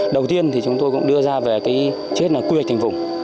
đầu tiên thì chúng tôi cũng đưa ra về trước hết là quy hoạch thành vùng